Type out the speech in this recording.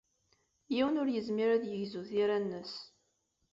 Yiwen ur yezmir ad yegzu tira-nnes.